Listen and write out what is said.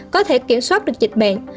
có thể kiểm soát được dịch bệnh